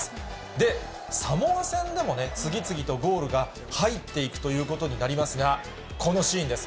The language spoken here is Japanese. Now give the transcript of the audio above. で、サモア戦でも次々とゴールが入っていくということになりますが、このシーンです。